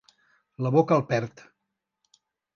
La boca el perd.